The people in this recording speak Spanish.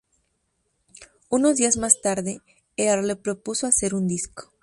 Unos días más tarde Earle propuso hacer un disco.